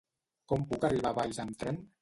Com puc arribar a Valls amb tren?